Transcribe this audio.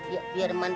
ya biar aku ambil